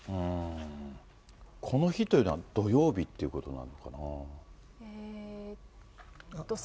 この日というのは土曜日ということなのかな。